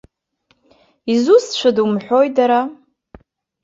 Изусҭцәада умҳәои дара?